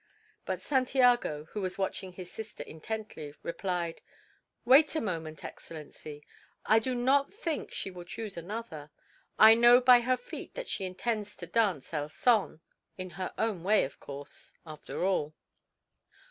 But Santiago, who was watching his sister intently, replied: "Wait a moment, Excellency. I do not think she will choose another. I know by her feet that she intends to dance El Son in her own way, of course after all."